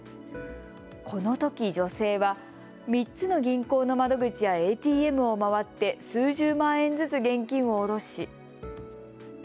このとき女性は３つの銀行の窓口やＡＴＭを回って数十万円ずつ現金を下ろし。